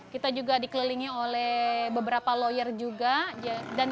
kita juga dikelilingi oleh beberapa lawyer juga dan kita juga tahu bahwa tanahnya kita